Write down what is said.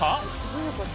どういうこと？